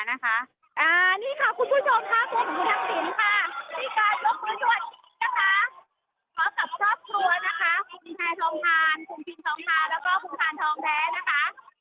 นี่ค่ะคุณผู้ชมค่ะคุณผู้ชมทางศิลป์ค่ะ